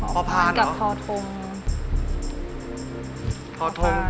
กับท่อทง